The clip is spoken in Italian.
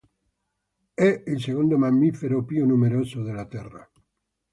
È il secondo mammifero più numeroso della terra.